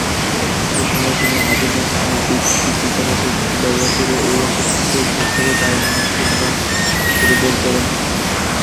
সেসময় তিনি আধুনিক আণবিক জীববিজ্ঞানের প্রযুক্তি ব্যবহার করে এই আকস্মিক রোগ বিস্তারের কারণ অনুসন্ধান করে বের করেন।